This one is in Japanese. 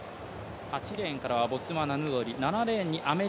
８レーンからはボツワナ、ヌドリです。